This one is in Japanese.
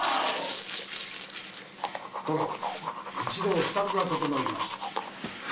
殿一同支度がととのいました。